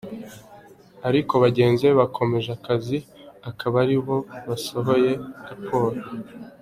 Ariko bagenzi be bakomeje akazi, akaba ari bo basohoye raporo.